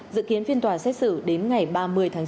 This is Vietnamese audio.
dự kiến phiên tòa xét xử đến ngày ba mươi tháng chín